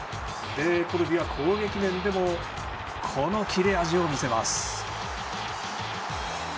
コルビは攻撃面でも切れ味を見せます。